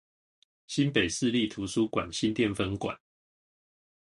新北市立圖書館新店分館